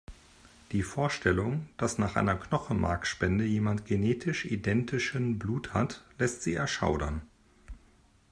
Die Vorstellung, dass nach einer Knochenmarkspende jemand genetisch identischen Blut hat, lässt sie erschaudern.